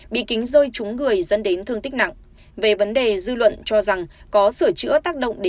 bị kính rơi trúng người dân đến thương tích nặng